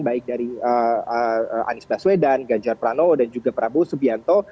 baik dari anies baswedan gajar pranowo dan juga prabowo subianto